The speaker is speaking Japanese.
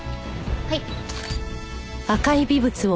はい。